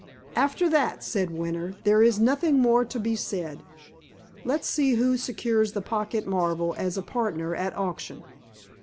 "After that," said Winter, "there is nothing more to be said. Let's see who secures the pocket marvel as a partner at auction."